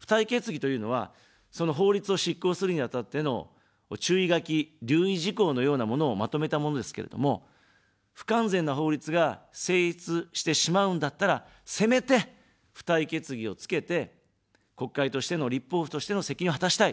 付帯決議というのは、その法律を執行するにあたっての注意書き、留意事項のようなものをまとめたものですけれども、不完全な法律が成立してしまうんだったら、せめて付帯決議をつけて、国会としての、立法府としての責任を果たしたい。